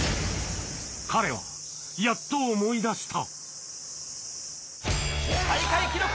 彼はやっと思い出した